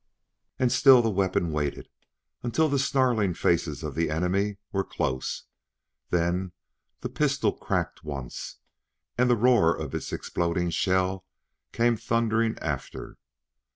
And still the weapon waited until the snarling faces of the enemy were close. Then the pistol cracked once, and the roar of its exploding shell came thundering after.